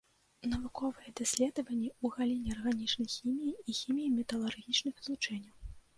Навуковыя даследаванні ў галіне арганічнай хіміі і хіміі металаарганічных злучэнняў.